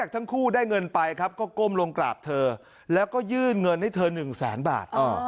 ทั้งคู่ได้เงินไปครับก็ก้มลงกราบเธอแล้วก็ยื่นเงินให้เธอ๑แสนบาท